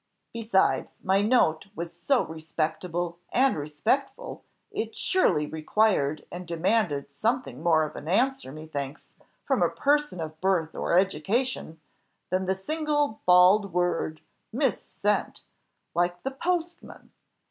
Besides, my note was so respectable, and respectful, it surely required and demanded something more of an answer, methinks, from a person of birth or education, than the single bald word 'mis sent,' like the postman!